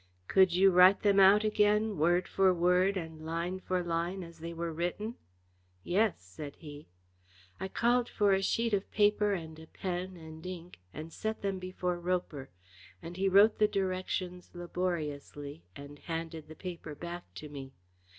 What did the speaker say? "Could you write them out again, word for word and line for line, as they were written?" "Yes," said he. I called for a sheet of paper and a pen and ink, and set them before Roper, and he wrote the directions laboriously, and handed the paper back to me.